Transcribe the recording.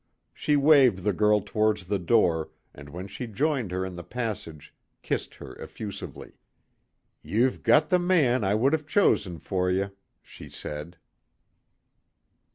She waved the girl towards the door and when she joined her in the passage kissed her effusively. "Ye've got the man I would have chosen for ye," she said.